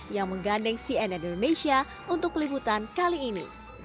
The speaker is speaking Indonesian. yang menggandeng siena di indonesia untuk pelibutan kali ini